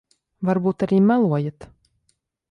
Varbūt arī melojat.